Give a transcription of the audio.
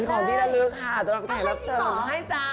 มีของที่ระลึกค่ะสำหรับแขนรับเชิงให้จ้า